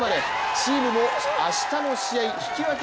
チームも明日の試合、引き分け